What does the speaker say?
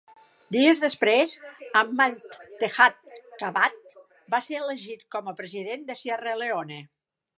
Dies després, Ahmad Tejan Kabbah va ser elegit com a president de Sierra Leone.